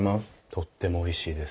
とってもおいしいです。